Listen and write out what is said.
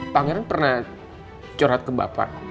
pangeran pernah curhat ke bapak